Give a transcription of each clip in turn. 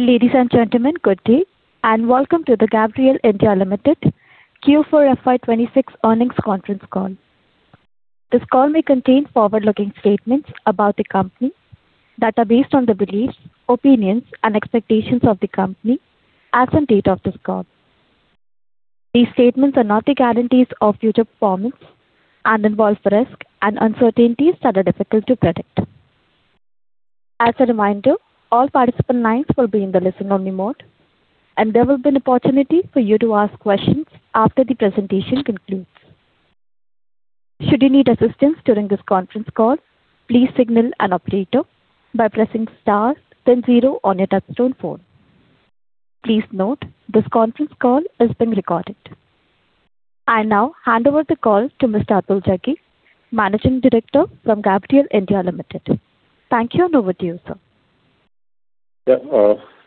Ladies and gentlemen, good day and welcome to the Gabriel India Limited Q4 FY 2026 earnings conference call. This call may contain forward-looking statements about the company that are based on the beliefs, opinions and expectations of the company as on date of this call. These statements are not the guarantees of future performance and involve risks and uncertainties that are difficult to predict. As a reminder, all participant lines will be in the listen only mode, and there will be an opportunity for you to ask questions after the presentation concludes. Should you need assistance during this conference call, please signal an operator by pressing star then zero on your touchtone phone. Please note, this conference call is being recorded. I now hand over the call to Mr. Atul Jaggi, Managing Director from Gabriel India Limited. Thank you, and over to you, sir.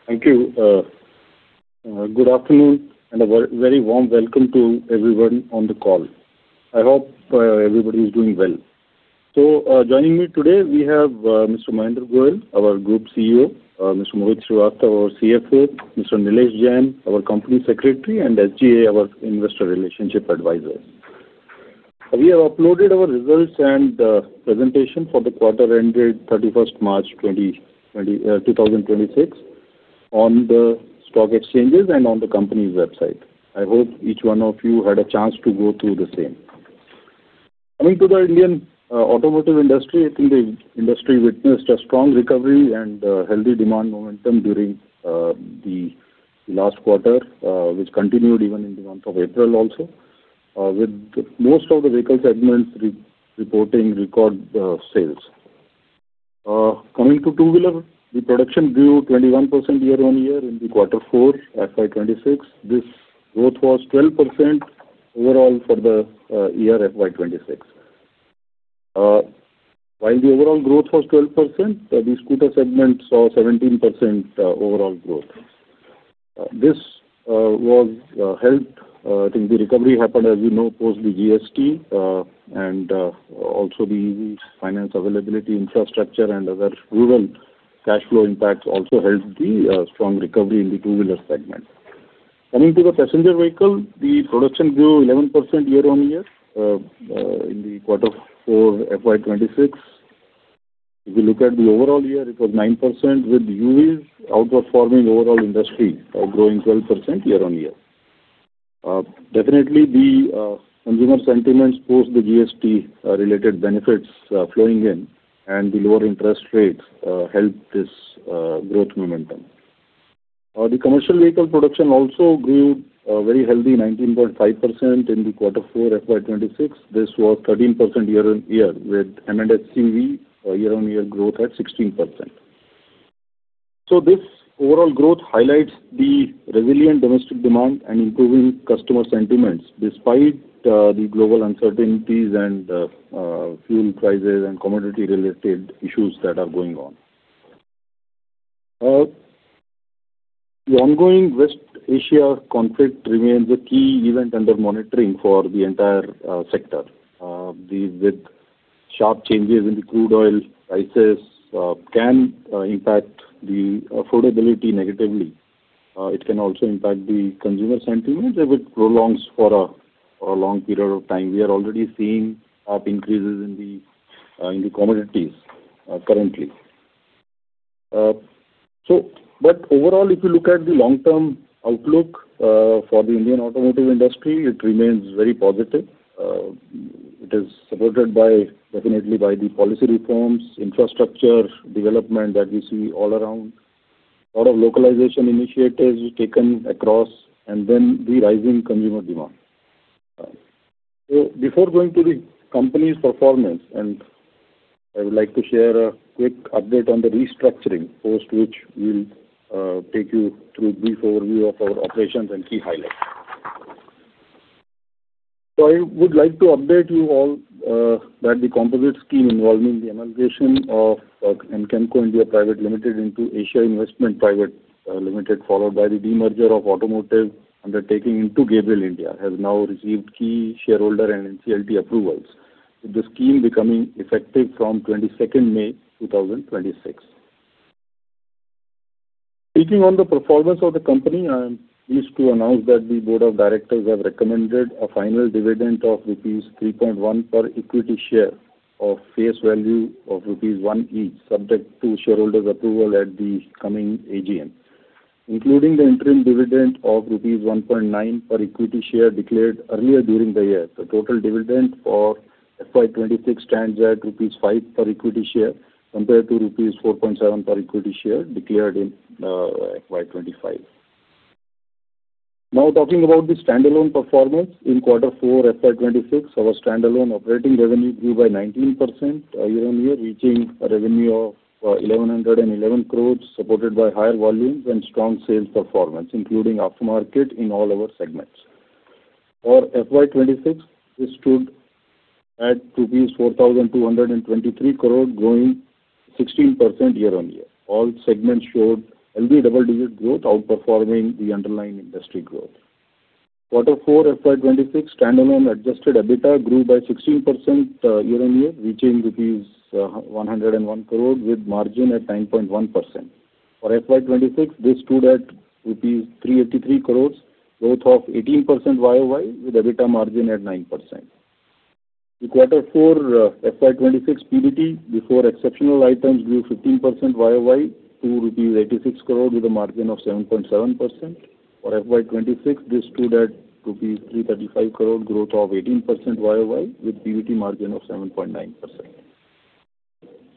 Thank you. Good afternoon, and a very warm welcome to everyone on the call. I hope everybody is doing well. Joining me today, we have Mr. Mahendra Goyal, our Group CEO, Mr. Mohit Srivastava, our CFO, Mr. Nilesh Jain, our Company Secretary and SGA, our investor relationship advisor. We have uploaded our results and presentation for the quarter ended 31st March 2026 on the stock exchanges and on the company's website. I hope each one of you had a chance to go through the same. Coming to the Indian automotive industry, the industry witnessed a strong recovery and healthy demand momentum during the last quarter, which continued even in the month of April also, with most of the vehicle segments reporting record sales. Coming to two-wheeler, the production grew 21% year-on-year in the quarter four FY 2026. This growth was 12% overall for the year FY 2026. While the overall growth was 12%, the scooter segment saw 17% overall growth. This was helped, I think the recovery happened, as you know, post the GST, also the finance availability infrastructure and other rural cash flow impacts also helped the strong recovery in the two-wheeler segment. Coming to the passenger vehicle, the production grew 11% year-on-year in the quarter four FY 2026. If you look at the overall year, it was 9% with UVs outperforming overall industry or growing 12% year-on-year. Definitely, the consumer sentiments post the GST related benefits flowing in and the lower interest rates helped this growth momentum. The commercial vehicle production also grew a very healthy 19.5% in the quarter four FY 2026. This was 13% year-on-year with M&HCV year-on-year growth at 16%. This overall growth highlights the resilient domestic demand and improving customer sentiments despite the global uncertainties and fuel prices and commodity related issues that are going on. The ongoing West Asia conflict remains a key event under monitoring for the entire sector. These, with sharp changes in the crude oil prices can impact the affordability negatively. It can also impact the consumer sentiments if it prolongs for a long period of time. We are already seeing up increases in the commodities currently. Overall, if you look at the long-term outlook for the Indian automotive industry, it remains very positive. It is supported definitely by the policy reforms, infrastructure development that we see all around, lot of localization initiatives taken across, and then the rising consumer demand. Before going to the company's performance, I would like to share a quick update on the restructuring post, which will take you through a brief overview of our operations and key highlights. I would like to update you all that the composite scheme involving the amalgamation of Anchemco India Private Limited into Asia Investments Private Limited, followed by the demerger of automotive undertaking into Gabriel India, has now received key shareholder and NCLT approvals, with the scheme becoming effective from 22nd May 2026. Speaking on the performance of the company, I am pleased to announce that the board of directors have recommended a final dividend of rupees 3.1 per equity share of face value of rupees 1 each, subject to shareholders' approval at the coming AGM, including the interim dividend of rupees 1.9 per equity share declared earlier during the year. The total dividend for FY 2026 stands at rupees 5 per equity share compared to rupees 4.7 per equity share declared in FY 2025. Now talking about the standalone performance in quarter four FY 2026, our standalone operating revenue grew by 19% year-on-year, reaching a revenue of 1,111 crore, supported by higher volumes and strong sales performance, including aftermarket in all our segments. For FY 2026, this stood at INR 4,223 crore, growing 16% year-on-year. All segments showed healthy double-digit growth outperforming the underlying industry growth. Quarter four FY 2026 standalone adjusted EBITDA grew by 16% year-on-year, reaching INR 101 crore with margin at 9.1%. For FY 2026, this stood at INR 383 crore, growth of 18% YOY, with EBITDA margin at 9%. In quarter four FY 2026, PBT before exceptional items grew 15% YOY to 86 crore with a margin of 7.7%. For FY 2026, this stood at rupees 335 crore, growth of 18% year-over-year, with PBT margin of 7.9%.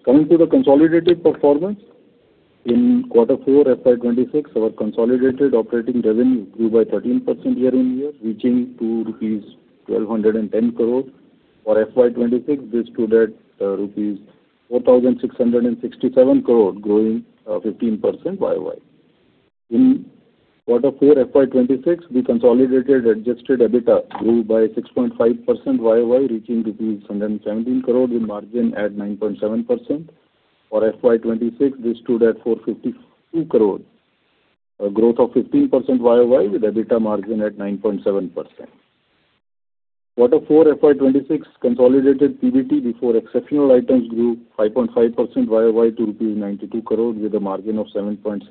Coming to the consolidated performance. In quarter four FY 2026, our consolidated operating revenue grew by 13% year-over-year, reaching to INR 1,210 crore. For FY 2026, this stood at INR 4,667 crore, growing 15% year-over-year. In quarter four FY 2026, the consolidated adjusted EBITDA grew by 6.5% year-over-year, reaching rupees 717 crore with margin at 9.7%. For FY 2026, this stood at 452 crore, a growth of 15% year-over-year with EBITDA margin at 9.7%. Quarter four FY 2026 consolidated PBT before exceptional items grew 5.5% year-over-year to rupees 92 crore with a margin of 7.6%.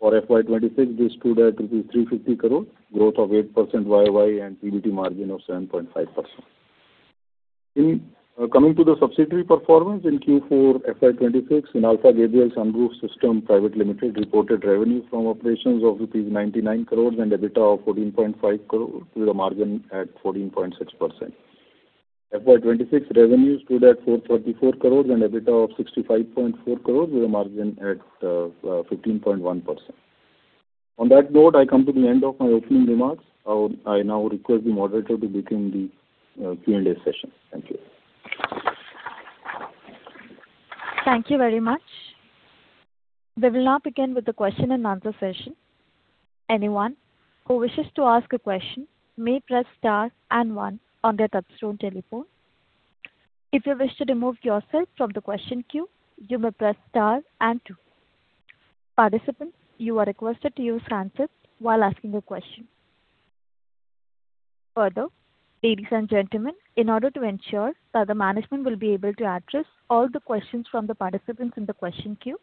For FY 2026, this stood at rupees 350 crore, growth of 8% year-over-year and PBT margin of 7.5%. Coming to the subsidiary performance in Q4 FY 2026, Inalfa Gabriel Sunroof Systems Private Limited reported revenue from operations of rupees 99 crores and EBITDA of 14.5 crores with a margin at 14.6%. FY 2026 revenue stood at 434 crores and EBITDA of 65.4 crores with a margin at 15.1%. On that note, I come to the end of my opening remarks. I now request the moderator to begin the Q&A session. Thank you. Thank you very much. We will now begin with the question and answer session. Anyone who wishes to ask a question may press star and one on their touch-tone telephone. If you wish to remove yourself from the question queue, you may press star and two. Participants, you are requested to use handset while asking a question. Further, ladies and gentlemen, in order to ensure that the management will be able to address all the questions from the participants in the question queue,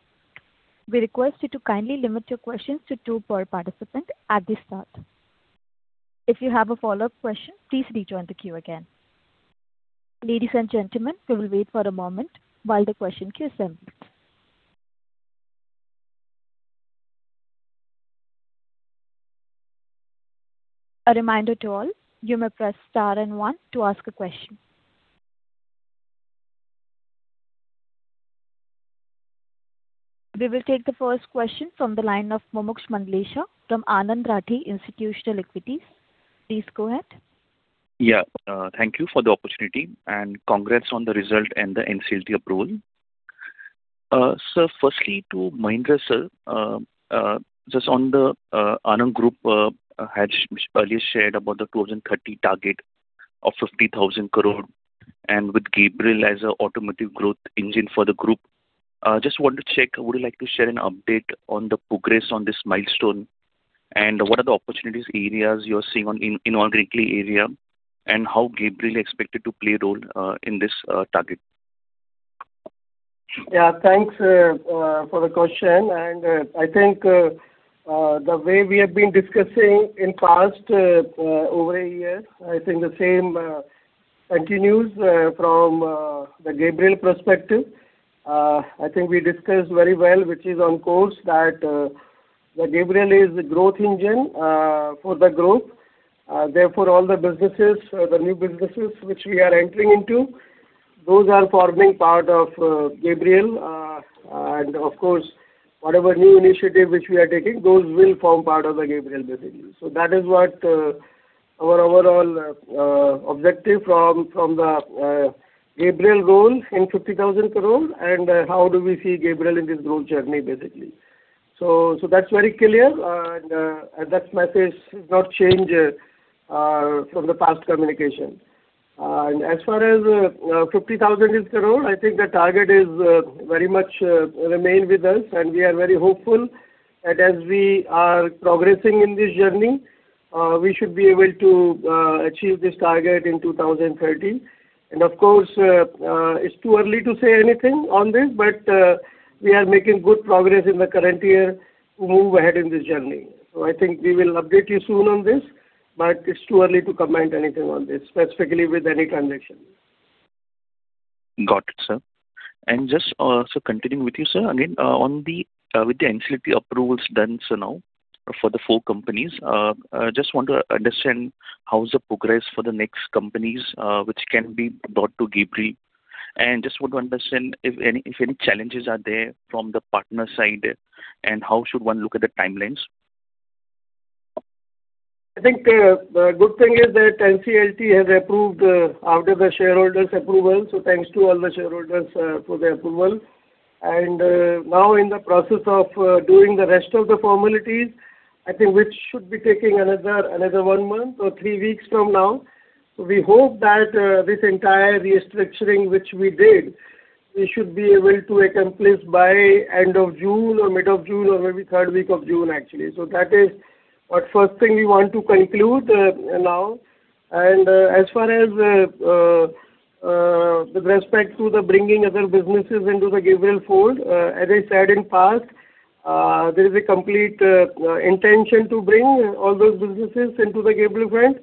we request you to kindly limit your questions to two per participant at the start. If you have a follow-up question, please rejoin the queue again. Ladies and gentlemen, we will wait for a moment while the question queue is built. A reminder to all, you may press star and one to ask a question. We will take the first question from the line of Mumuksh Mandlesha from Anand Rathi Institutional Equities. Please go ahead. Yeah. Thank you for the opportunity and congrats on the result and the NCLT approval. Sir, firstly to Mahendra Goyal sir. Just on the ANAND Group, had earlier shared about the 2030 target of 50,000 crore and with Gabriel as an automotive growth engine for the group. Just want to check, would you like to share an update on the progress on this milestone? What are the opportunities areas you're seeing in inorganic areas, and how Gabriel expected to play a role in this target? Thanks for the question. I think the way we have been discussing in past over a year, I think the same continues from the Gabriel perspective. I think we discussed very well, which is on course that Gabriel is the growth engine for the group. Therefore, all the new businesses which we are entering into, those are forming part of Gabriel. Of course, whatever new initiative which we are taking, those will form part of the Gabriel business. That is what our overall objective from the Gabriel goal in 50,000 crore and how do we see Gabriel in this growth journey, basically. That's very clear. That message has not changed from the past communication. As far as 50,000 is concerned, I think the target very much remain with us, and we are very hopeful that as we are progressing in this journey, we should be able to achieve this target in 2030. Of course, it's too early to say anything on this, but we are making good progress in the current year to move ahead in this journey. I think we will update you soon on this, but it's too early to comment anything on this, specifically with any transaction. Got it, sir. Just also continuing with you, sir, again, with the NCLT approvals done so now for the four companies, I just want to understand how is the progress for the next companies which can be brought to Gabriel, and just want to understand if any challenges are there from the partner side, and how should one look at the timelines? I think the good thing is that NCLT has approved out of the shareholders approval. Thanks to all the shareholders for the approval. Now in the process of doing the rest of the formalities, I think which should be taking another one month or three weeks from now We hope that this entire restructuring which we did, we should be able to accomplish by end of June or mid of June or maybe third week of June, actually. That is what first thing we want to conclude now. As far as with respect to the bringing other businesses into the Gabriel fold, as I said in past, there is a complete intention to bring all those businesses into the Gabriel brand.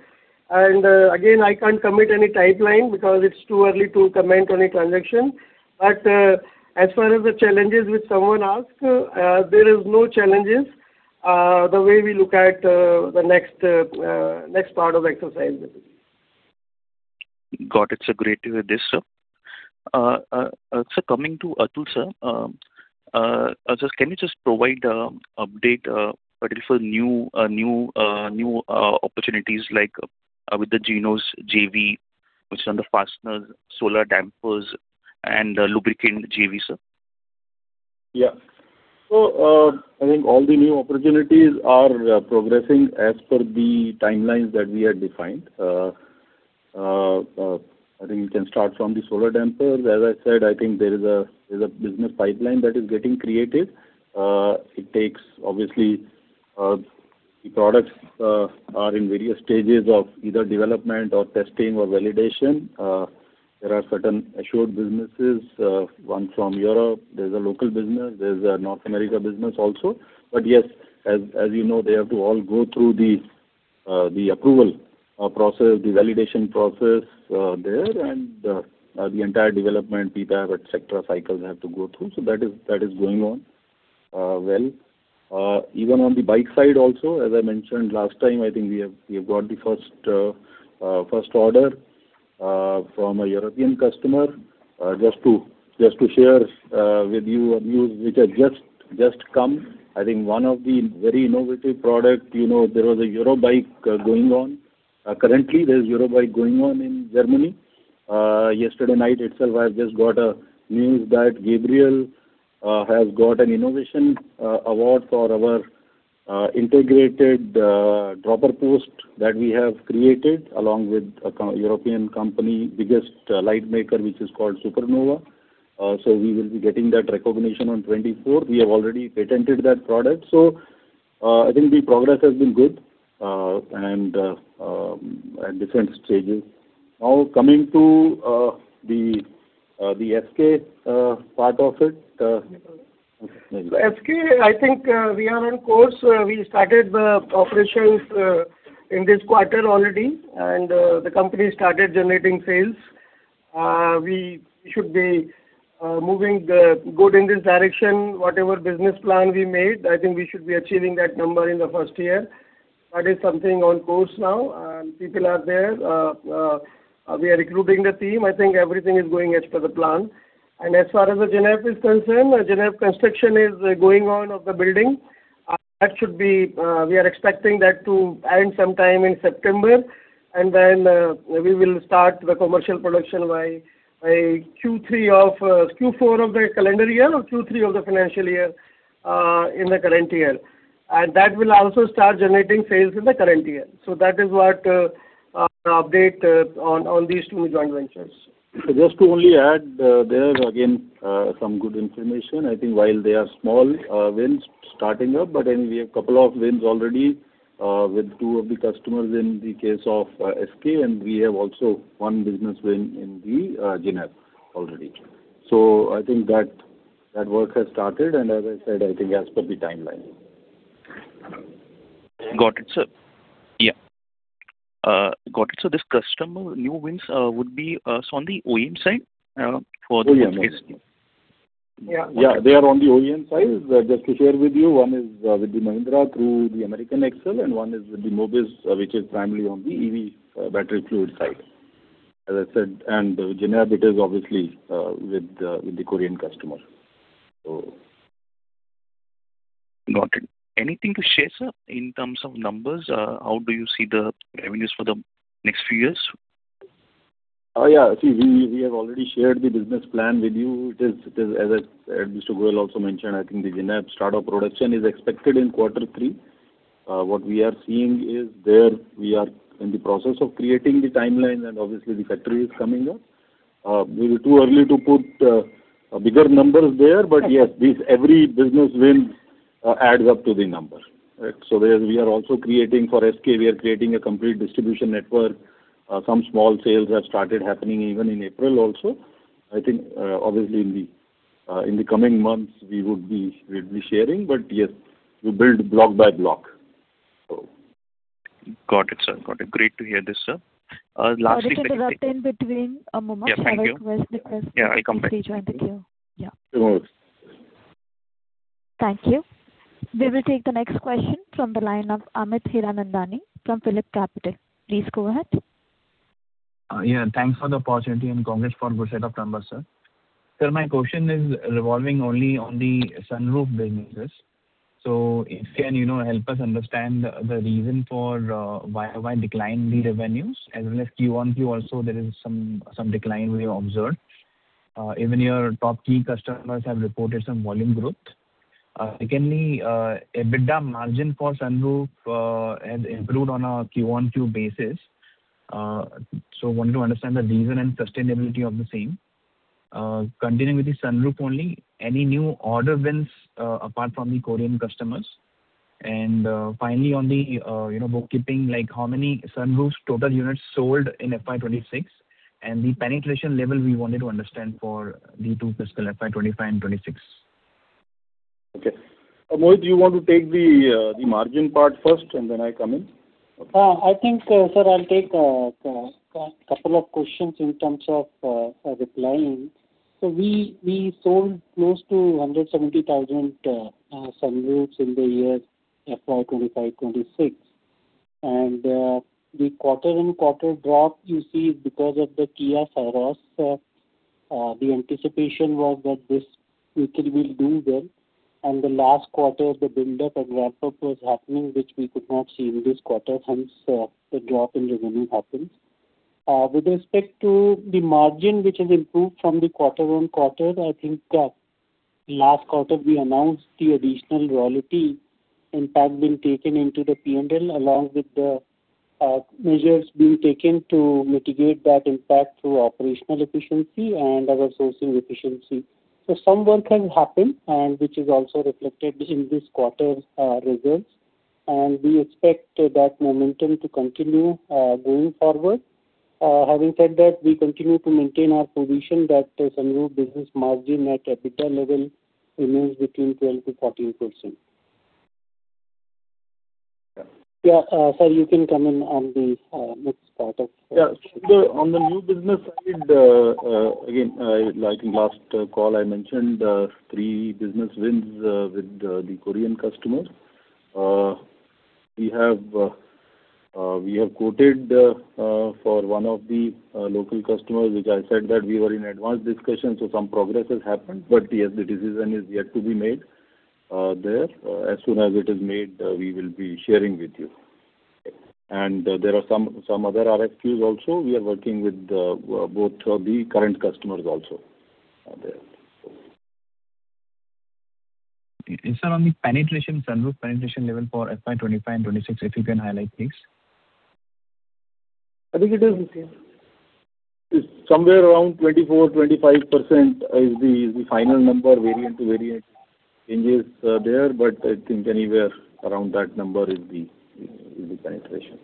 Again, I can't commit any timeline because it's too early to comment on a transaction. As far as the challenges which someone asked, there is no challenges, the way we look at the next part of exercise. Got it, sir. Great to hear this, sir. Sir, coming to Atul, sir. Atul, can you just provide update, particular new opportunities like with the Jinos JV, which is on the fastener, solar dampers, and lubricant JV, sir? Yeah. I think all the new opportunities are progressing as per the timelines that we had defined. I think you can start from the solar damper. As I said, I think there is a business pipeline that is getting created. Obviously, the products are in various stages of either development or testing or validation. There are certain assured businesses, one from Europe, there's a local business, there's a North America business also. Yes, as you know, they have to all go through the approval process, the validation process there, and the entire development, PPAP, etc., cycles have to go through. That is going on well. Even on the bike side also, as I mentioned last time, I think we have got the first order from a European customer. Just to share with you a news which has just come, I think one of the very innovative product, there was a Eurobike going on. Currently, there's Eurobike going on in Germany. Yesterday night itself, I've just got a news that Gabriel has got an innovation award for our integrated dropper post that we have created along with a European company, biggest light maker, which is called Supernova. We will be getting that recognition on 24th. We have already patented that product. I think the progress has been good at different stages. Coming to the SK part of it. SK, I think we are on course. We started the operations in this quarter already. The company started generating sales. We should be moving good in this direction. Whatever business plan we made, I think we should be achieving that number in the first year. That is something on course now, and people are there. We are recruiting the team. I think everything is going as per the plan. As far as Jinos is concerned, Jinos construction is going on of the building. We are expecting that to end some time in September, and then we will start the commercial production by Q4 of the calendar year or Q3 of the financial year in the current year. That will also start generating sales in the current year. That is what update on these two joint ventures. Just to only add, there is again, some good information. I think while they are small wins starting up, but anyway, a couple of wins already with two of the customers in the case of SK, and we have also one business win in the Jinhap already. I think that work has started, and as I said, I think as per the timeline. Got it, sir. Yeah. Got it. This customer, new wins would be on the OEM side for this case? Yeah. Yeah, they are on the OEM side. Just to share with you, one is with the Mahindra through the American Axle, and one is with the Mobis, which is primarily on the EV battery fluid side. As I said, Jinhap it is obviously with the Korean customer. Got it. Anything to share, sir, in terms of numbers? How do you see the revenues for the next few years? Yeah. See, we have already shared the business plan with you. As Mr. Goyal also mentioned, I think the Jinhap start of production is expected in quarter three. What we are seeing is there, we are in the process of creating the timeline, obviously the factory is coming up. Maybe too early to put bigger numbers there, yes, every business win adds up to the number. We are also creating for SK, we are creating a complete distribution network. Some small sales have started happening even in April also. I think obviously in the coming months, we'll be sharing. Yes, we build block by block. Got it, sir. Great to hear this, sir. Got it. There's an uptick in between, Mumuk. Yeah, thank you. I request the press- Yeah, I'll come back. to please join the queue. Yeah. No worries. Thank you. We will take the next question from the line of Amit Hiranandani from PhillipCapital. Please go ahead. Yeah, thanks for the opportunity and congrats for good set of numbers, sir. Sir, my question is revolving only on the Sunroof businesses. If you can help us understand the reason for why decline the revenues, even in Q1Q, also there is some decline we observed. Even your top key customers have reported some volume growth. Secondly, EBITDA margin for Sunroof has improved on a Q1Q basis. We wanted to understand the reason and sustainability of the same. Continuing with the Sunroof only, any new order wins apart from the Korean customers? Finally, on the bookkeeping, how many Sunroof's total units sold in FY 2026, and the penetration level we wanted to understand for the two fiscal, FY 2025 and 2026. Okay. Mohit, do you want to take the margin part first, and then I come in? I think, sir, I'll take a couple of questions in terms of replying. We sold close to 170,000 sunroofs in the year FY 2025, 2026. The quarter-on-quarter drop you see is because of the Kia Syros. The anticipation was that this vehicle will do well, and the last quarter, the buildup and ramp up was happening, which we could not see in this quarter, hence the drop in revenue happened. With respect to the margin, which has improved from the quarter-on-quarter, I think last quarter we announced the additional royalty impact being taken into the P&L along with the measures being taken to mitigate that impact through operational efficiency and other sourcing efficiency. Some work has happened, and which is also reflected in this quarter's results. We expect that momentum to continue going forward. Having said that, we continue to maintain our position that sunroof business margin at EBITDA level remains between 12%-14%. Yeah. Yeah, sir, you can come in on the next part of. On the new business side, again, like in last call, I mentioned three business wins with the Korean customers. We have quoted for one of the local customers, which I said that we were in advanced discussions, some progress has happened. Yes, the decision is yet to be made there. As soon as it is made, we will be sharing with you. Okay. There are some other RFQs also. We are working with both of the current customers also out there. Sir, on the penetration, sunroof penetration level for FY 2025 and 2026, if you can highlight please? I think it is the same. It's somewhere around 24, 25% is the final number. Variant to variant changes are there, but I think anywhere around that number is the penetration.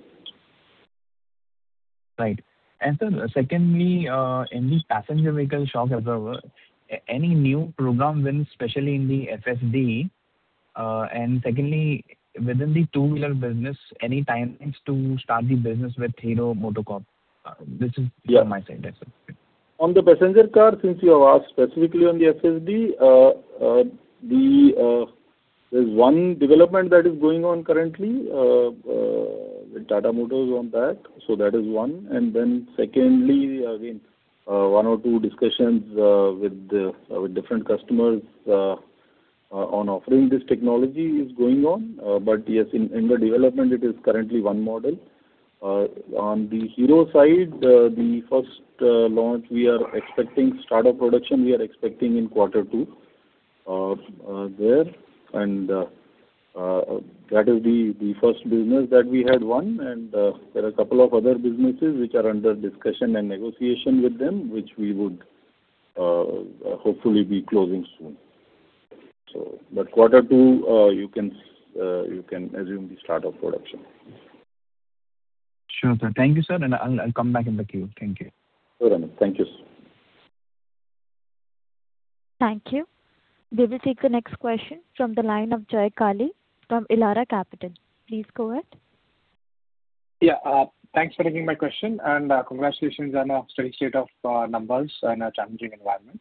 Right. Sir, secondly, in the passenger vehicle shop as well, any new program wins, especially in the FSD, and secondly, within the two-wheeler business, any timelines to start the business with Hero MotoCorp? This is from my side. That's it. On the passenger car, since you have asked specifically on the FSD, there is one development that is going on currently with Tata Motors on that. That is one. Secondly, again, one or two discussions with different customers on offering this technology is going on. Yes, in the development, it is currently one model. On the Hero side, the first launch we are expecting startup production, we are expecting in quarter two there. That is the first business that we had won, and there are a couple of other businesses which are under discussion and negotiation with them, which we would hopefully be closing soon. Quarter two, you can assume the start of production. Sure, sir. Thank you, sir, and I'll come back in the queue. Thank you. Sure, Mohit. Thank you. Thank you. We will take the next question from the line of Jay Kale from Elara Capital. Please go ahead. Yeah. Thanks for taking my question, and congratulations on a steady state of numbers in a challenging environment.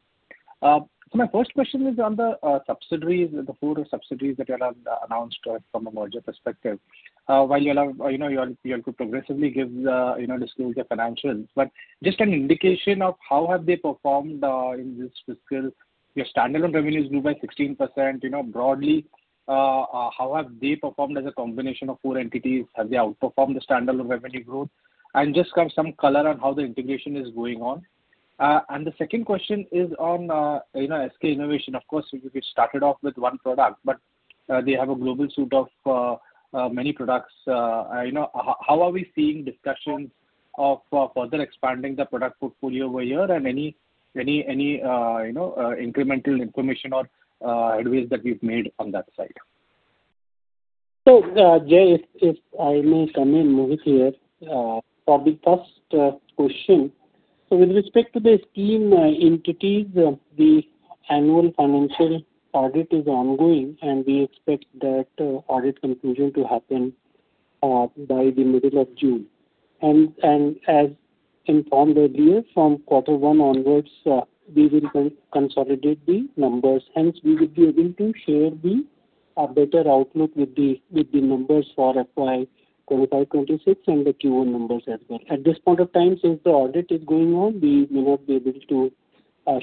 My first question is on the subsidiaries, the four subsidiaries that you'll have announced from a merger perspective. While you'll have to progressively disclose your financials, but just an indication of how have they performed in this fiscal, your standalone revenues grew by 16%. Broadly, how have they performed as a combination of four entities? Have they outperformed the standalone revenue growth? Just kind of some color on how the integration is going on. The second question is on SK Innovation. Of course, you started off with one product, but they have a global suite of many products. How are we seeing discussions of further expanding the product portfolio over here and any incremental information or headway that we've made on that side? Jay, if I may come in, Mohit here. For the first question, with respect to the SK entities, the annual financial audit is ongoing, and we expect that audit conclusion to happen by the middle of June. As informed earlier, from quarter one onwards, we will consolidate the numbers. Hence, we would be able to share the better outlook with the numbers for FY 2025/2026 and the Q1 numbers as well. At this point of time, since the audit is going on, we may not be able to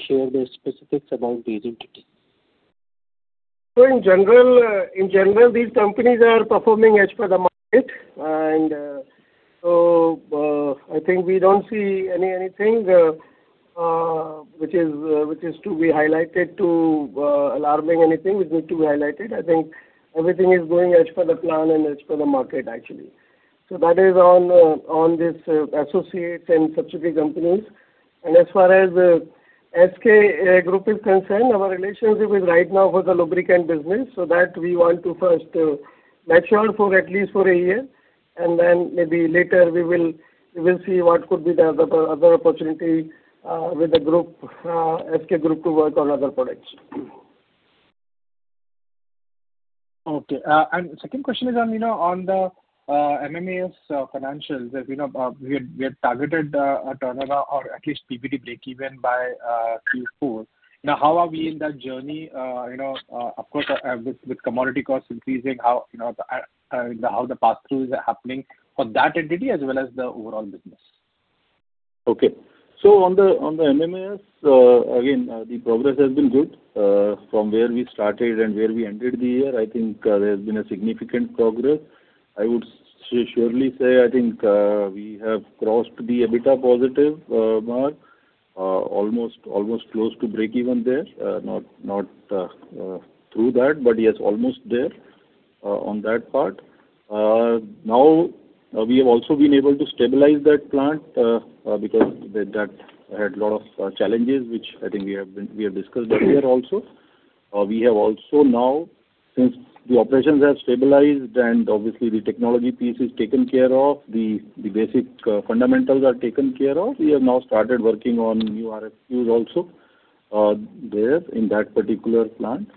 share the specifics about the entity. In general, these companies are performing as per the market. I think we don't see anything which is to be highlighted to alarming anything. We need to highlight it. I think everything is going as per the plan and as per the market, actually. That is on these associates and subsidiary companies. As far as SK Group is concerned, our relationship is right now for the lubricant business, so that we want to first make sure for at least for a year, and then maybe later we will see what could be the other opportunity with SK Group to work on other products. Okay. Second question is on the MMAS financials. We had targeted a turnover or at least PBT breakeven by Q4. How are we in that journey? With commodity costs increasing, how the pass-through is happening for that entity as well as the overall business. On the MMAS, again, the progress has been good. From where we started and where we ended the year, I think there has been a significant progress. I would surely say, I think we have crossed the EBITDA positive mark, almost close to breakeven there. Not through that, but yes, almost there on that part. We have also been able to stabilize that plant, because that had lot of challenges, which I think we have discussed that here also. We have also now, since the operations have stabilized and obviously the technology piece is taken care of, the basic fundamentals are taken care of, we have now started working on new RFQs also there in that particular plant.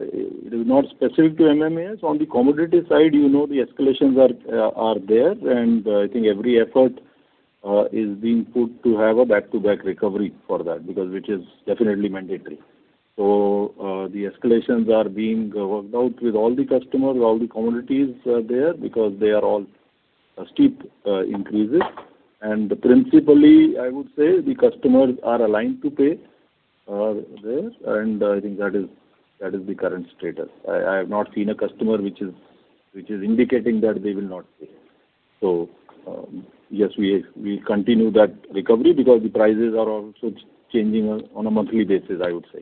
It is not specific to MMAS. On the commodity side, you know the escalations are there. I think every effort is being put to have a back-to-back recovery for that, because which is definitely mandatory. The escalations are being worked out with all the customers, all the commodities there, because they are all steep increases. Principally, I would say, the customers are aligned to pay there. I think that is the current status. I have not seen a customer which is indicating that they will not pay. Yes, we continue that recovery because the prices are also changing on a monthly basis, I would say.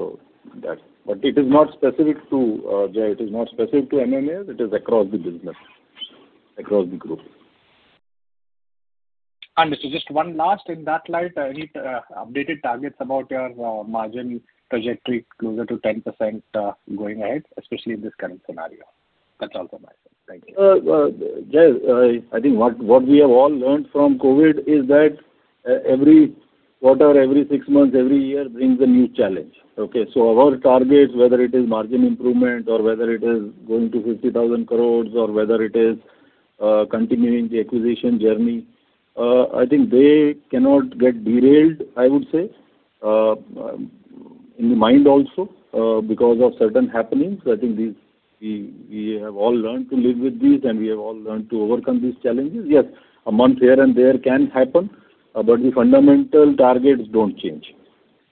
It is not specific to MMAS, it is across the business, across the group. Sir, just one last in that light, any updated targets about your margin trajectory closer to 10% going ahead, especially in this current scenario? That's all from my side. Thank you. Jay, I think what we have all learned from COVID is that every quarter, every six months, every year brings a new challenge. Okay. Our targets, whether it is margin improvement or whether it is going to 50,000 crores or whether it is continuing the acquisition journey, I think they cannot get derailed, I would say, in the mind also, because of certain happenings. I think we have all learned to live with these, and we have all learned to overcome these challenges. Yes, a month here and there can happen, but the fundamental targets don't change.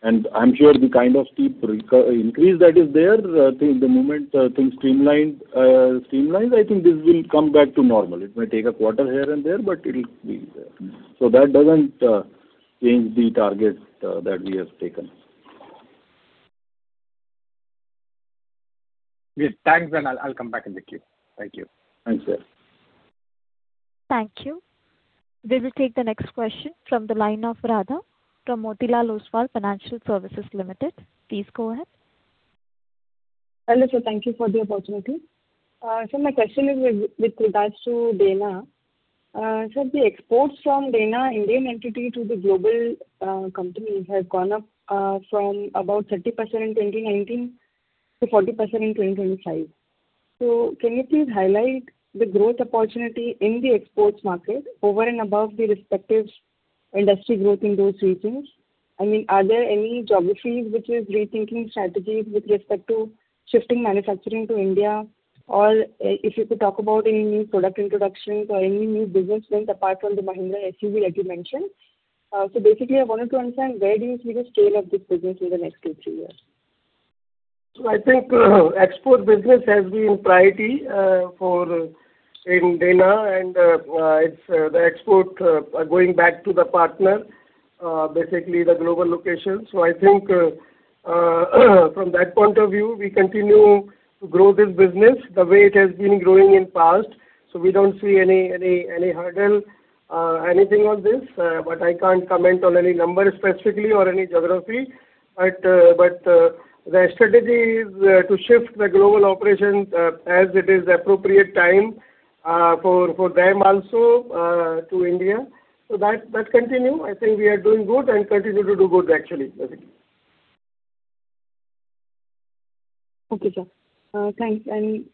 I'm sure the kind of steep increase that is there, I think the moment things streamline, I think this will come back to normal. It may take a quarter here and there, but it'll be there. That doesn't change the target that we have taken. Yes. Thanks. I'll come back in the queue. Thank you. Thanks, Jay. Thank you. We will take the next question from the line of Radha from Motilal Oswal Financial Services Limited. Please go ahead. Hello, sir. Thank you for the opportunity. Sir, my question is with regards to Dana. Sir, the exports from Dana Indian entity to the global company have gone up from about 30% in 2019 to 40% in 2025. Can you please highlight the growth opportunity in the exports market over and above the respective industry growth in those regions? Are there any geographies which are rethinking strategies with respect to shifting manufacturing to India? If you could talk about any new product introductions or any new business wins apart from the Mahindra SUV, like you mentioned. Basically, I wanted to understand where do you see the scale of this business in the next two, three years? I think export business has been priority in Dana, and the exports are going back to the partner, basically the global locations. I think from that point of view, we continue to grow this business the way it has been growing in past. We don't see any hurdle, anything on this. I can't comment on any numbers specifically or any geography. The strategy is to shift the global operations as it is appropriate time for them also to India. That continue. I think we are doing good and continue to do good actually, basically. Okay, sir. Thanks.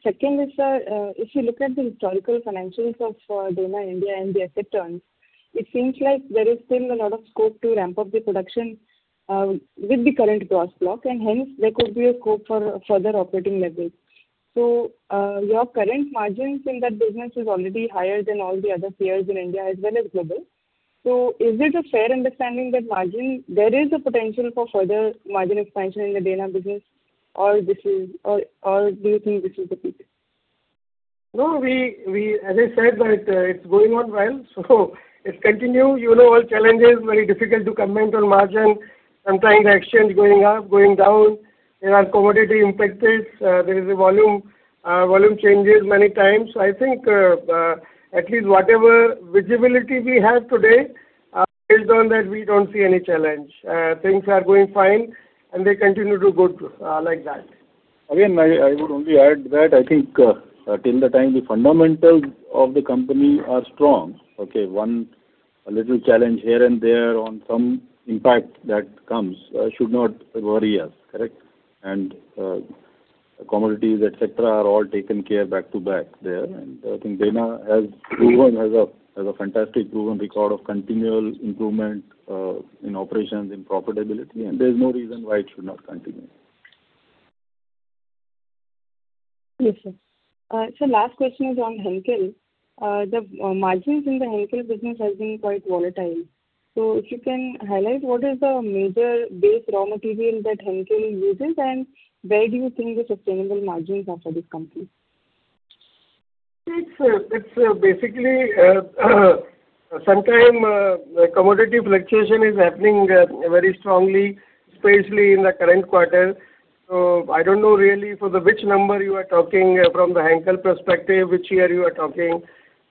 Second is, sir, if you look at the historical financials of Dana India and the asset turns, it seems like there is still a lot of scope to ramp up the production with the current gross block, and hence there could be a scope for further operating leverage. Your current margins in that business is already higher than all the other peers in India as well as global. Is it a fair understanding that there is a potential for further margin expansion in the Dana business, or do you think this is the peak? No. As I said, it's going on well, so it continues. You know all challenges, very difficult to comment on margin. Sometimes the exchange going up, going down, and are commodity impacted. There is a volume changes many times. I think, at least whatever visibility we have today, based on that, we don't see any challenge. Things are going fine and they continue to go like that. I would only add that I think till the time the fundamentals of the company are strong. Okay, one little challenge here and there on some impact that comes should not worry us. Correct? Commodities, et cetera, are all taken care back to back there. I think Dana has a fantastic proven record of continual improvement in operations and profitability, and there's no reason why it should not continue. Yes, sir. Sir, last question is on Henkel. The margins in the Henkel business has been quite volatile. If you can highlight what is the major base raw material that Henkel uses, and where do you think the sustainable margins are for this company? It's basically sometimes commodity fluctuation is happening very strongly, especially in the current quarter. I don't know really for which number you are talking from the Henkel perspective, which year you are talking.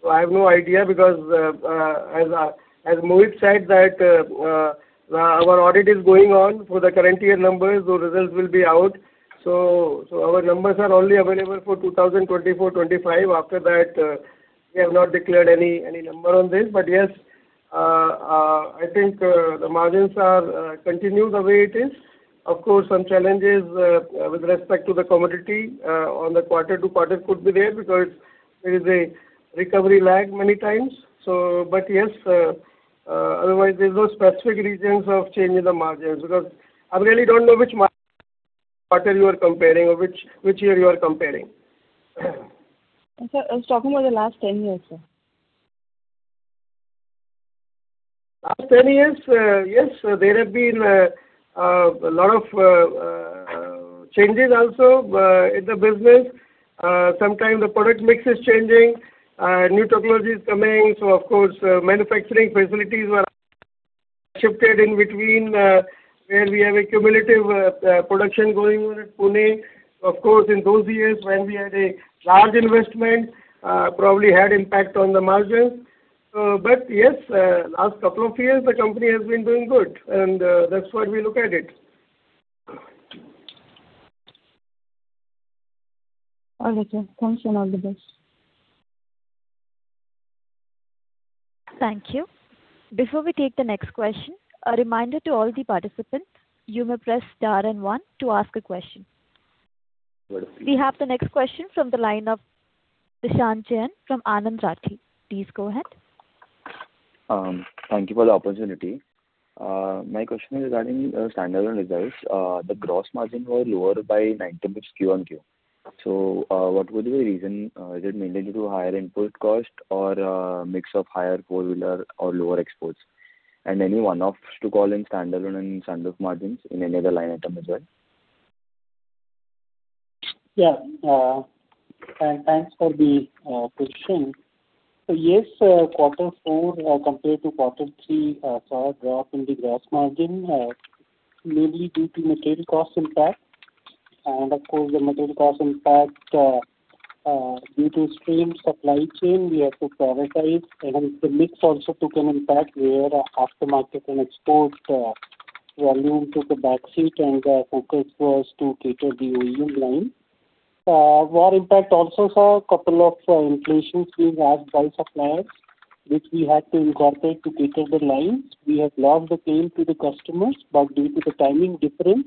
I have no idea because, as Mohit said that our audit is going on for the current year numbers. Those results will be out. Our numbers are only available for 2024-2025. After that, we have not declared any number on this. Yes, I think the margins are continuing the way it is. Of course, some challenges with respect to the commodity on the quarter to quarter could be there because there is a recovery lag many times. Yes, otherwise, there is no specific reasons of change in the margins because I really don't know which quarter you are comparing or which year you are comparing. Sir, I was talking about the last 10 years, sir. Last 10 years. Yes, there have been a lot of changes also in the business. Sometimes the product mix is changing, new technology is coming. Of course, manufacturing facilities were shifted in between, where we have a cumulative production going on at Pune. Of course, in those years when we had a large investment, probably had impact on the margins. Yes, last couple of years the company has been doing good and that's what we look at it. Okay, sir. Thanks and all the best. Thank you. We have the next question from the line of Dishant Jain from Anand Rathi. Please go ahead. Thank you for the opportunity. My question is regarding standalone results. The gross margin was lower by 19 QoQ. What would be the reason? Is it mainly due to higher input cost or a mix of higher four-wheeler or lower exports? Any one-offs to call in standalone and Sandvik margins in any other line item as well? Yeah. Thanks for the question. Yes, quarter four compared to quarter three saw a drop in the gross margin, mainly due to material cost impact. Of course, the material cost impact due to strained supply chain, we have to prioritize. The mix also took an impact where aftermarket and export volume took a back seat and the focus was to cater the OE line. War impact also saw a couple of inflations being asked by suppliers, which we had to incorporate to cater the lines. We have locked the claim to the customers, but due to the timing difference,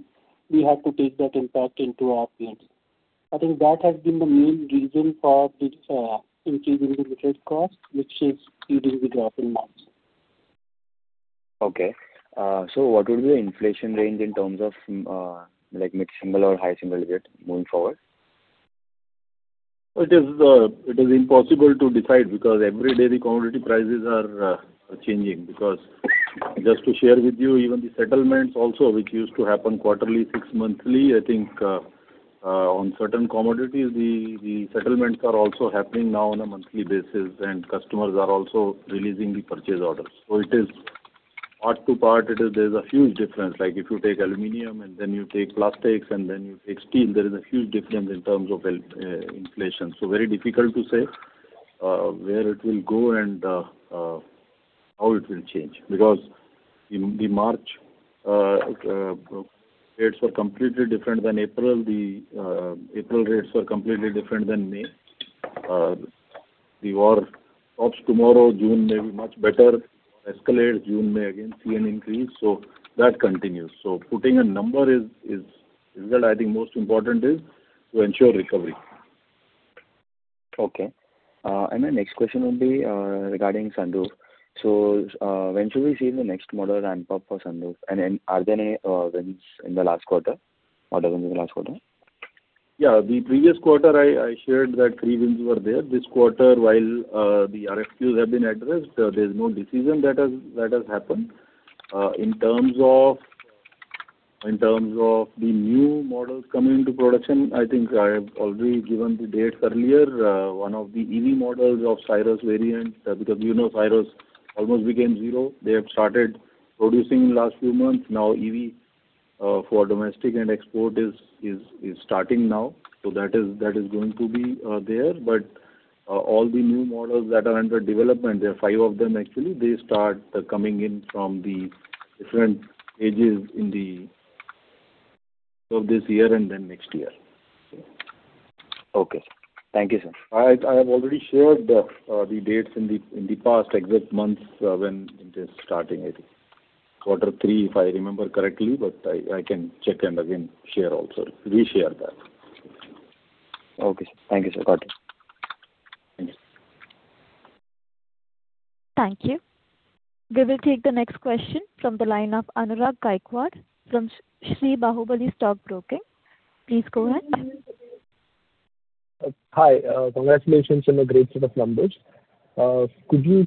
we have to take that impact into our P&L. I think that has been the main reason for this increase in the material cost, which is leading the drop in margin. Okay. What would be the inflation range in terms of mid-single or high single digit moving forward? It is impossible to decide because every day the commodity prices are changing, because just to share with you even the settlements also, which used to happen quarterly, six monthly, I think on certain commodities, the settlements are also happening now on a monthly basis, and customers are also releasing the purchase orders. It is part to part. There is a huge difference. If you take aluminum and then you take plastics and then you take steel, there is a huge difference in terms of inflation. Very difficult to say where it will go and how it will change. The March rates were completely different than April. The April rates were completely different than May. The war stops tomorrow, June may be much better. Escalates, June may again see an increase. That continues. Putting a number. I think most important is to ensure recovery. Okay. My next question would be regarding Sandvik. When should we see the next model ramp-up for Sandvik? Are there any wins in the last quarter? Order wins in the last quarter? Yeah, the previous quarter I shared that three wins were there. This quarter, while the RFQs have been addressed, there is no decision that has happened. In terms of the new models coming into production, I think I have already given the dates earlier. One of the EV models of Syros variant, because Syros almost became zero. They have started producing in last few months. EV for domestic and export is starting now. That is going to be there. All the new models that are under development, there are five of them actually, they start coming in from the different stages of this year and then next year. Okay. Thank you, sir. I have already shared the dates in the past exit months when it is starting, I think quarter three, if I remember correctly, but I can check and again share also. We share that. Okay, sir. Thank you, sir. Got it. Thank you. Thank you. We will take the next question from the line of Anurag Gaikwad from Shree Bahubali Stock Broking. Please go ahead. Hi. Congratulations on a great set of numbers. Could you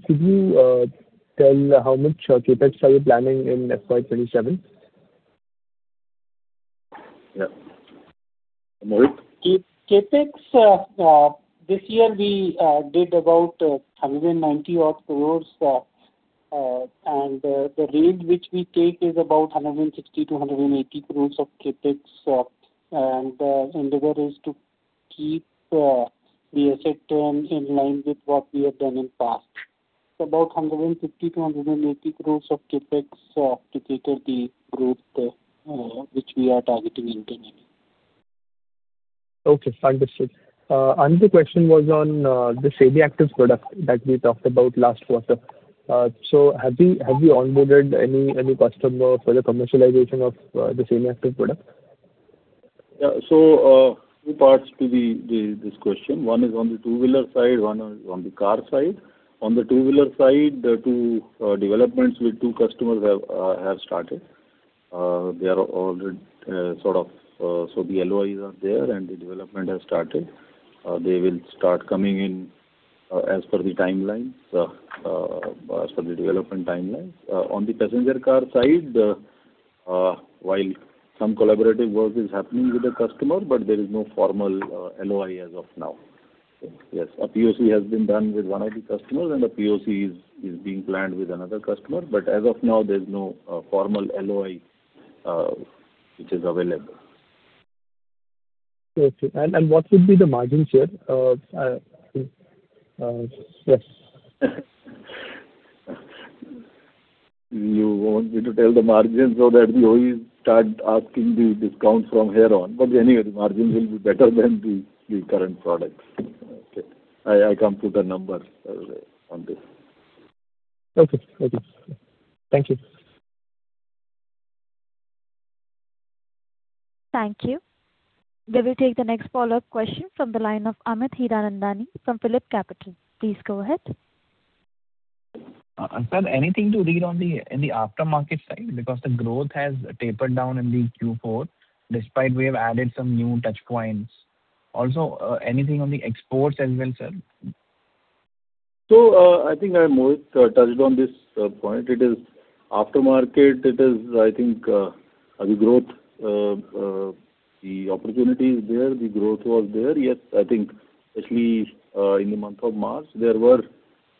tell how much CapEx are you planning in FY 2027? Yeah. Mohit? CapEx, this year we did about 190 odd crores. The range which we take is about 160-180 crores of CapEx. Endeavor is to keep the asset turn in line with what we have done in past. About 150-180 crores of CapEx to cater the growth which we are targeting in FY 2027. Okay, understood. Another question was on the semi-actives product that we talked about last quarter. Have you onboarded any customer for the commercialization of the semi-active product? Yeah, two parts to this question. One is on the two-wheeler side, one on the car side. On the two-wheeler side, two developments with two customers have started. The LOIs are there and the development has started. They will start coming in as per the development timelines. On the passenger car side, while some collaborative work is happening with a customer, but there is no formal LOI as of now. Yes, a POC has been done with one of the customers and a POC is being planned with another customer. As of now, there's no formal LOI which is available. Okay. What would be the margin share of? You want me to tell the margin so that the OEs start asking the discounts from here on, but anyway, the margin will be better than the current products. Okay. I can't put a number on this. Okay. Thank you. Thank you. We will take the next follow-up question from the line of Amit Hiranandani from PhillipCapital. Please go ahead. Sir, anything to read in the aftermarket side? The growth has tapered down in the Q4, despite we have added some new touchpoints. Anything on the exports as well, sir? I think Mohit touched on this point. Aftermarket, I think the opportunity is there, the growth was there. Yes, I think especially in the month of March, there were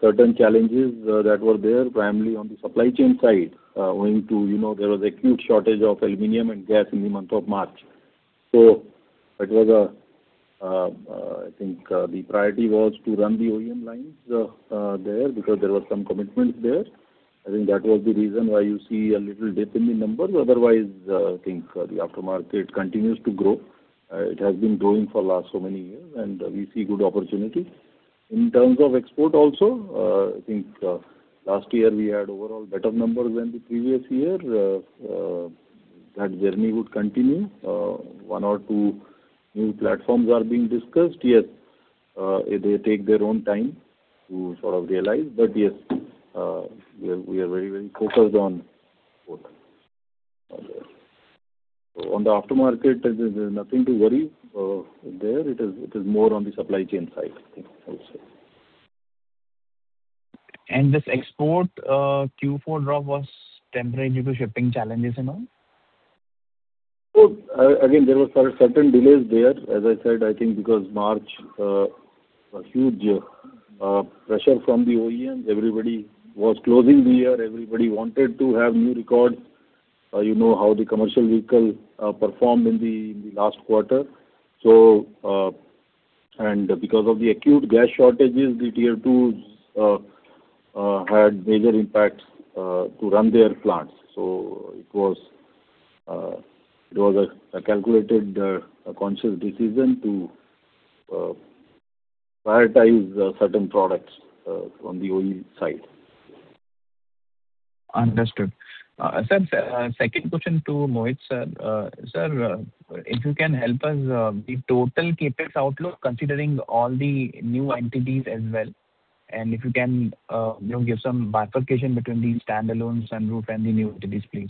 certain challenges that were there, primarily on the supply chain side, owing to there was acute shortage of aluminum and gas in the month of March. I think the priority was to run the OEM lines there because there were some commitments there. I think that was the reason why you see a little dip in the numbers. Otherwise, I think the aftermarket continues to grow. It has been growing for last so many years, and we see good opportunity. In terms of export also, I think last year we had overall better numbers than the previous year. That journey would continue. One or two new platforms are being discussed. Yes, they take their own time to realize, but yes, we are very focused on both. On the aftermarket, there's nothing to worry there. It is more on the supply chain side, I think also. This export Q4 drop was temporary due to shipping challenges and all? There were certain delays there, as I said, I think because March, a huge pressure from the OEMs. Everybody was closing the year. Everybody wanted to have new record. You know how the commercial vehicle performed in the last quarter. Because of the acute gas shortages, the tier two's had major impacts to run their plants. It was a calculated, conscious decision to prioritize certain products from the OE side. Understood. Sir, second question to Mohit sir. Sir, if you can help us, the total CapEx outlook considering all the new entities as well. If you can give some bifurcation between these standalones and group and the new entities, please.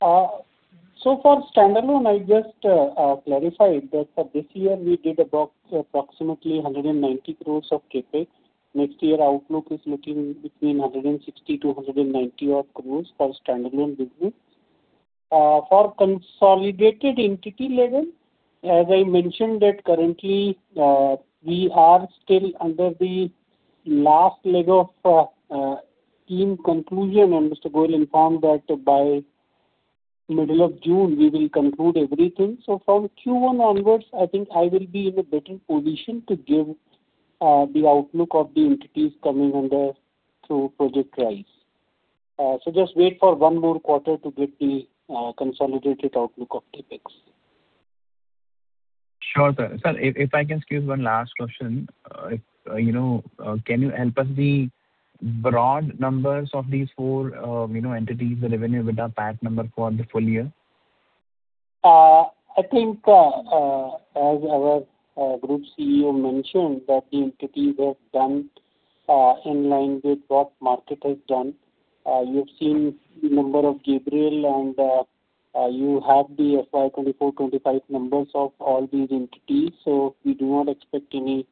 For standalone, I just clarified that for this year we did approximately 190 crore of CapEx. Next year outlook is looking between 160 crore to 190 crore for standalone business. For consolidated entity level, as I mentioned that currently we are still under the last leg of team conclusion, and Mr. Goyal informed that by middle of June we will conclude everything. From Q1 onwards, I think I will be in a better position to give the outlook of the entities coming under through Project Rise. Just wait for one more quarter to get the consolidated outlook of CapEx. Sure, sir. Sir, if I can squeeze one last question. Can you help us the broad numbers of these four entities, the revenue with our PAT number for the full year? I think, as our group CEO mentioned, that the entities have done in line with what market has done. You've seen the number of Gabriel, and you have the FY 2024, 2025 numbers of all these entities. We do not expect any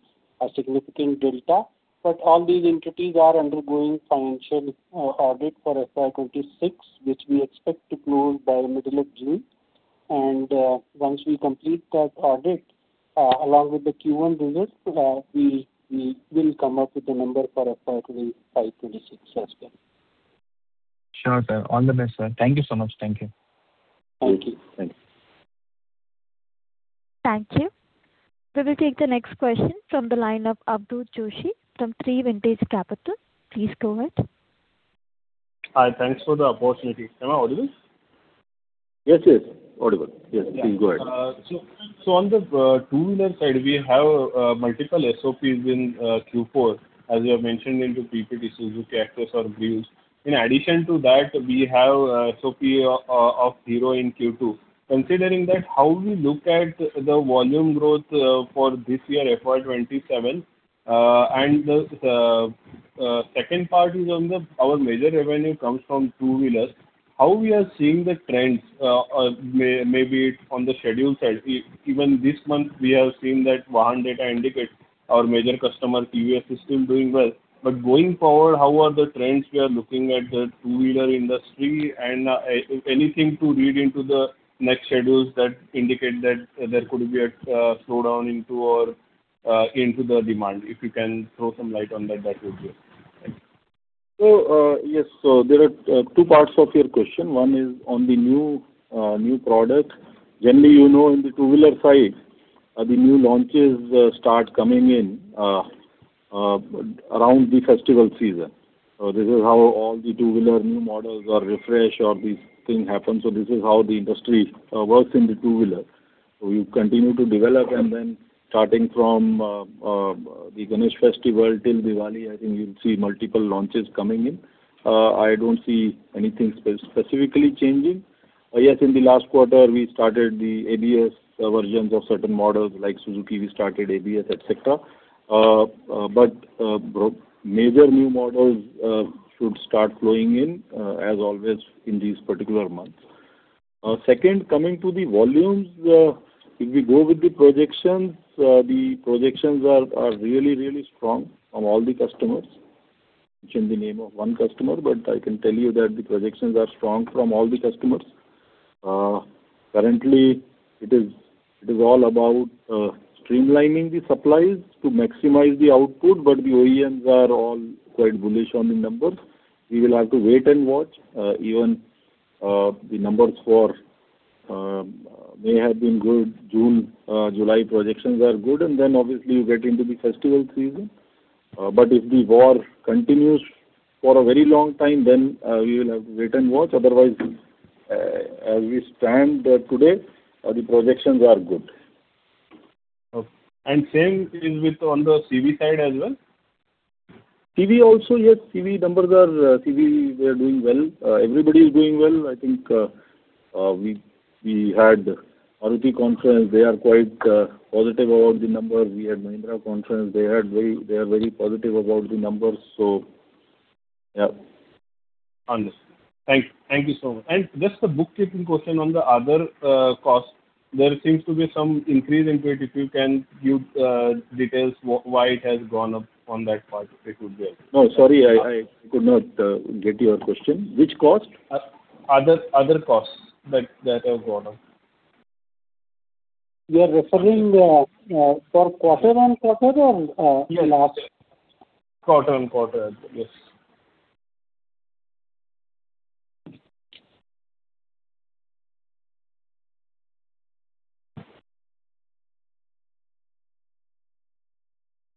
significant delta. All these entities are undergoing financial audit for FY 2026, which we expect to close by middle of June. Once we complete that audit, along with the Q1 results, we will come up with a number for FY 2026 as well. Sure, sir. All the best, sir. Thank you so much. Thank you. Thank you. Thank you. We will take the next question from the line of Avadhoot Joshi from Trivantage Capital. Please go ahead. Hi, thanks for the opportunity. Am I audible? Yes. Audible. Please go ahead. On the two-wheeler side, we have multiple SOPs in Q4, as you have mentioned into PPT, Suzuki, Access or Breeze. In addition to that, we have SOP of Hero in Q2. Considering that, how we look at the volume growth for this year, FY 2027? The second part is on our major revenue comes from two-wheelers. How we are seeing the trends, maybe it's on the schedule side? Even this month, we have seen that one data indicates our major customer TVS is still doing well. Going forward, how are the trends we are looking at the two-wheeler industry and if anything to read into the next schedules that indicate that there could be a slowdown into the demand? If you can throw some light on that would be helpful. Thanks. Yes. There are two parts of your question. One is on the new product. Generally, in the two-wheeler side, the new launches start coming in around the festival season. This is how all the two-wheeler new models or refresh or these things happen. This is how the industry works in the two-wheeler. You continue to develop, and then starting from the Ganesh festival till Diwali, I think you'll see multiple launches coming in. I don't see anything specifically changing. Yes, in the last quarter, we started the ABS versions of certain models like Suzuki we started ABS, et cetera. Major new models should start flowing in, as always, in these particular months. Second, coming to the volumes. If we go with the projections, the projections are really strong from all the customers. Mention the name of one customer. I can tell you that the projections are strong from all the customers. Currently, it is all about streamlining the supplies to maximize the output. The OEMs are all quite bullish on the numbers. We will have to wait and watch. Even the numbers for May have been good, June, July projections are good. Then obviously you get into the festival season. If the war continues for a very long time, we will have to wait and watch. Otherwise, as we stand today, the projections are good. Okay. The same is with on the CV side as well? CV also, yes. CV, they are doing well. Everybody is doing well. I think we had Maruti conference. They are quite positive about the numbers. We had Mahindra conference. They are very positive about the numbers. Yeah. Understood. Thank you so much. Just a bookkeeping question on the other cost. There seems to be some increase in it. If you can give details why it has gone up on that part, it would be helpful. No, sorry, I could not get your question. Which cost? Other costs that have gone up. You are referring for quarter-on-quarter or last? Quarter-on-quarter. Yes.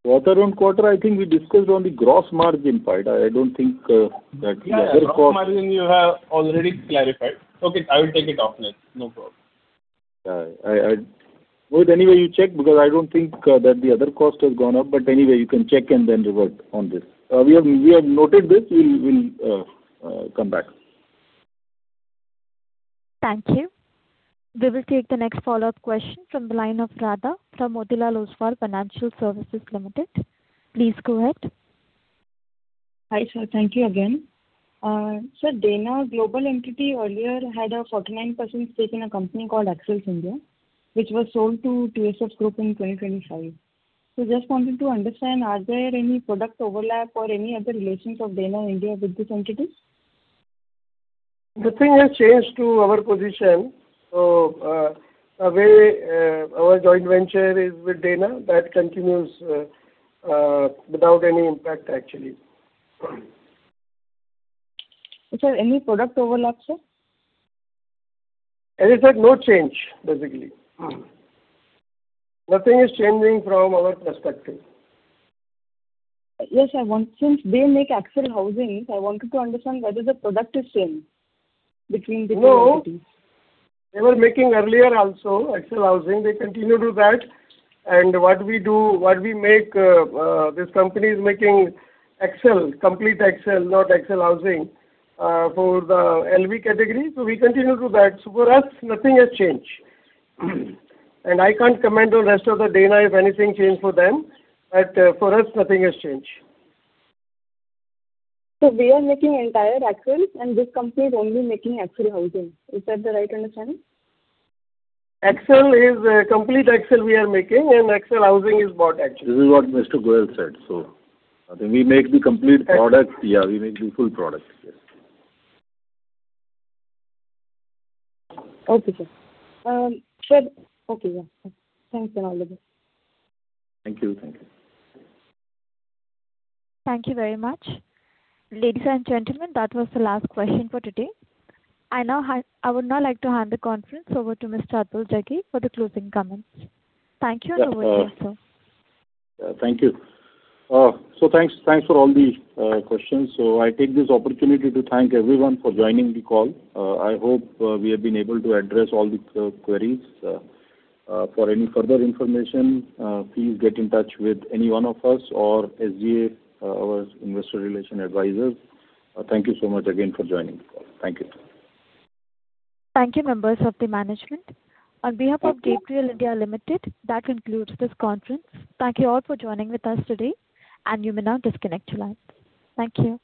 Quarter-on-quarter, I think we discussed on the gross margin part. I don't think that the other cost- Yeah, gross margin you have already clarified. Okay, I will take it off then. No problem. Yeah. Anyway, you check because I don't think that the other cost has gone up, but anyway, you can check and then revert on this. We have noted this. We'll come back. Thank you. We will take the next follow-up question from the line of Radha from Motilal Oswal Financial Services Limited. Please go ahead. Hi, sir. Thank you again. Sir, Dana Global entity earlier had a 49% stake in a company called Axles India, which was sold to TSF Group in 2025. Just wanted to understand, are there any product overlap or any other relations of Dana India with this entity? Nothing has changed to our position. Our joint venture is with Dana. That continues without any impact, actually. Is there any product overlap, sir? As I said, no change, basically. Nothing is changing from our perspective. Yes, since they make axle housings, I wanted to understand whether the product is same between the two entities. No. They were making earlier also, axle housing. They continue to do that. This company is making complete axle, not axle housing, for the LV category. We continue to do that. For us, nothing has changed. I can't comment on rest of the Dana if anything changed for them, but for us, nothing has changed. They are making entire axles and this company is only making axle housing. Is that the right understanding? Complete axle we are making and axle housing is bought actually. This is what Mr. Goyal said. I think we make the complete product. Yeah, we make the full product. Okay, sir. Sure. Okay. Yeah. Thanks a lot. Thank you. Thank you very much. Ladies and gentlemen, that was the last question for today. I would now like to hand the conference over to Mr. Atul Jaggi for the closing comments. Thank you and have a good day, sir Thank you. Thanks for all the questions. I take this opportunity to thank everyone for joining the call. I hope we have been able to address all the queries. For any further information, please get in touch with any one of us or SGA, our investor relation advisors. Thank you so much again for joining the call. Thank you. Thank you, members of the management. On behalf of Gabriel India Limited, that concludes this conference. Thank you all for joining with us today, and you may now disconnect your lines. Thank you.